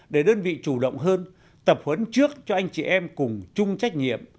để đơn vị chủ động hơn tập huấn trước cho anh chị em cùng chung trách nhiệm